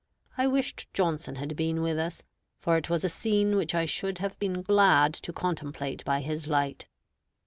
I wished Johnson had been with us; for it was a scene which I should have been glad to contemplate by his light.